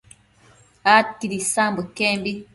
adquid isambo iquembi